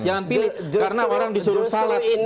jangan pilih karena orang disuruh salat